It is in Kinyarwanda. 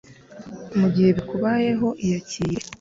mu gihe bikubayeho iyakire